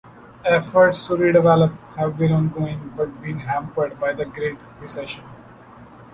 Efforts to redevelop have been ongoing but been hampered by the Great Recession.